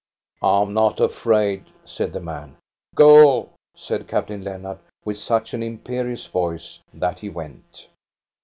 " I am not afraid," said the man. " Go," said Captain Lennart, with such an imperious voice that he went.